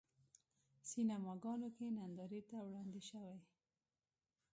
سینماګانو کې نندارې ته وړاندې شوی.